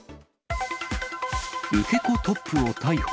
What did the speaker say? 受け子トップを逮捕。